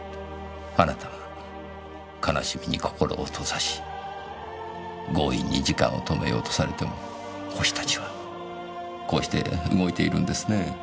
あなたが悲しみに心を閉ざし強引に時間を止めようとされても星たちはこうして動いているんですね。